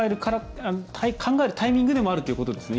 考えるタイミングでもあるということですね。